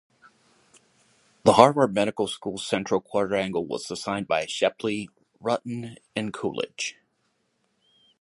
The Harvard Medical Schools central Quadrangle was designed by Shepley, Rutan and Coolidge.